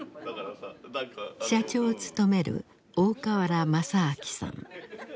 社長を務める大川原正明さん。